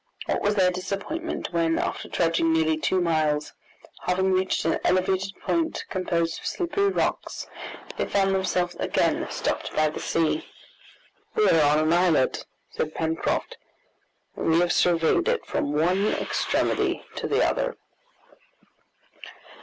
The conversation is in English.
What was their disappointment, when, after trudging nearly two miles, having reached an elevated point composed of slippery rocks, they found themselves again stopped by the sea. "We are on an islet," said Pencroft, "and we have surveyed it from one extremity to the other."